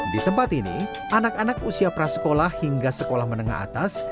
di tempat ini anak anak usia prasekolah hingga sekolah menengah atas